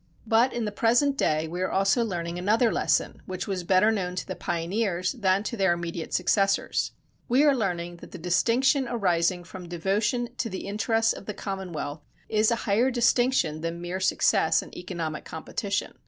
But in the present day we are also learning another lesson which was better known to the pioneers than to their immediate successors. We are learning that the distinction arising from devotion to the interests of the commonwealth is a higher distinction than mere success in economic competition.